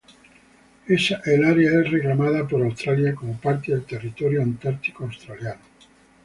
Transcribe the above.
Es área es reclamada por Australia como parte del Territorio Antártico Australiano.